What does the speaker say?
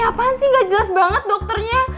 kapan sih gak jelas banget dokternya